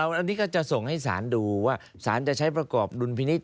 อันนี้ก็จะส่งให้สารดูว่าสารจะใช้ประกอบดุลพินิษฐ